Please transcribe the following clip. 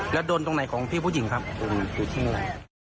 แล้วโดนตรงไหนของพี่ผู้หญิงครับตรงจุดที่ไหน